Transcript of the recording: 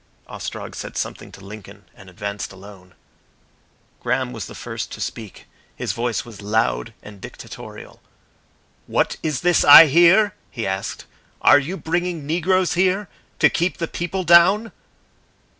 Ostrog said something to Lincoln and advanced alone. Graham was the first to speak. His voice was loud and dictatorial. "What is this I hear?" he asked. "Are you bringing negroes here to keep the people down?"